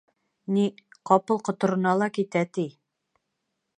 Ни, ҡапыл ҡоторона ла китә, ти.